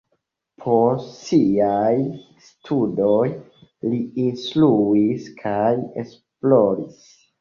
Post siaj studoj li instruis kaj esploris.